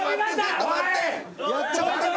ちょっと待って！